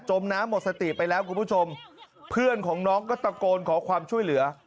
มน้ำหมดสติไปแล้วคุณผู้ชมเพื่อนของน้องก็ตะโกนขอความช่วยเหลือ